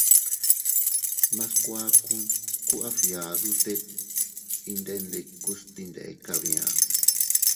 Mas kuakun ku a fgiadute iydendikukas dinde kabia.